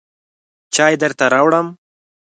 چای درته راوړم.